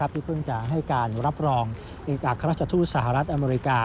ที่เพิ่งจะให้การรับรองเอกอัครราชทูตสหรัฐอเมริกา